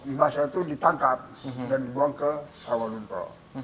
mbak saya itu ditangkap dan dibuang ke sawah lunto